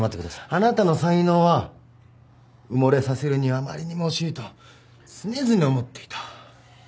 あなたの才能は埋もれさせるにはあまりにも惜しいと常々思っていた。